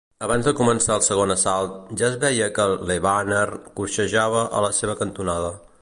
Abans de començar el segon assalt, ja es veia que LeBanner coixejava a la seva cantonada.